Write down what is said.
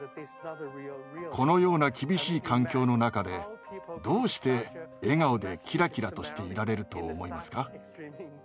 このような厳しい環境の中でどうして笑顔でキラキラとしていられると思いますか？